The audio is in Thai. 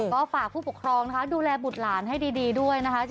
ก็ฝากผู้ปกครองนะคะดูแลบุตรหลานให้ดีด้วยนะคะ